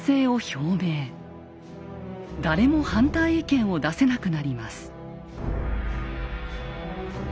誰も反対意見を出せなくなります。